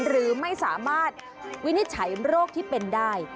หรือไม่สามารถวินิจฉัยโรคที่เป็นได้